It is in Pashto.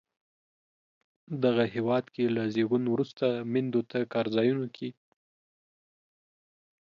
دغه هېواد کې له زیږون وروسته میندو ته کار ځایونو کې